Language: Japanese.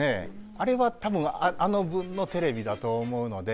あれは多分あの分のテレビだと思うので。